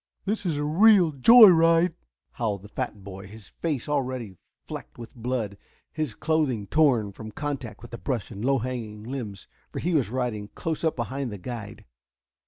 "This is a real joy ride," howled the fat boy, his face already flecked with blood, his clothing torn, from contact with brush and low hanging limbs, for he was riding close up behind the guide.